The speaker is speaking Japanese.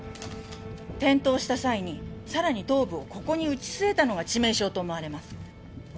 転倒した際にさらに頭部をここに打ち据えたのが致命傷と思われます。